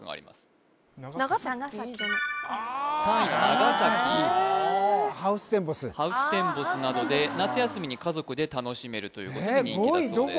３位が長崎ハウステンボスなどで夏休みに家族で楽しめるということで人気だそうですえっ